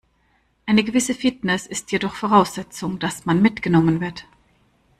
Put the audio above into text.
Eine gewisse Fitness ist jedoch Voraussetzung, dass man mitgenommen wird.